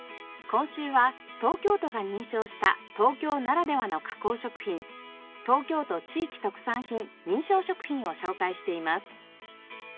今週は東京都が認証した東京ならではの加工食品東京都地域特産品認証食品を紹介しています。